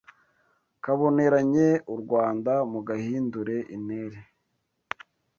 Kaboneranye u Rwanda Mugahindure intere